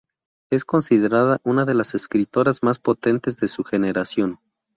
Es considerada una de las escritoras más potentes de su generación.